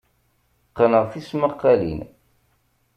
Qqneɣ tismaqqalin.